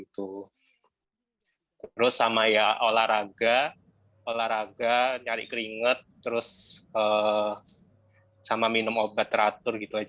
terus sama ya olahraga olahraga nyari keringet terus sama minum obat teratur gitu aja